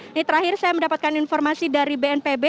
ini terakhir saya mendapatkan informasi dari bnpb